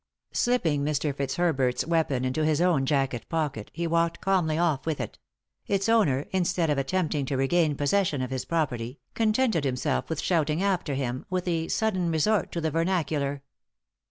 Slipping Mr. Fitzherbert's weapon into his own jacket pocket, he walked calmly off with it; its owner, instead of attempting to re gain possession of his property, contented himself with shouting after him, with a sudden resort to the ver nacular.